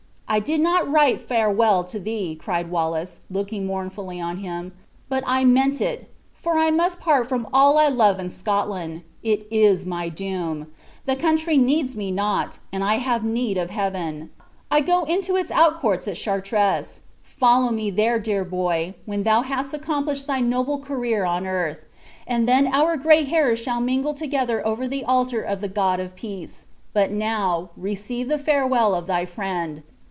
"I did not write farewell to thee," cried Wallace, looking mournfully on him, "but I meant it, for I must part from all I love in Scotland. It is my doom. The country needs me not, and I have need of Heaven. I go into its outcourts at Chartres. Follow me there, dear boy, when thou hast accomplished thy noble career on earth, and then our gray hairs shall mingle together over the altar of the God of Peace; but now receive the farewell of thy friend.